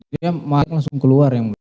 dia marah langsung keluar ya mulia